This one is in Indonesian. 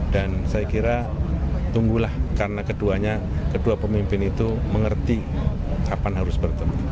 dan saya kira tunggulah karena keduanya kedua pemimpin itu mengerti kapan harus bertemu